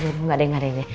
enggak deh enggak deh